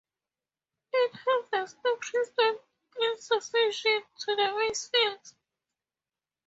At harvest, the priests went in succession to the maize fields.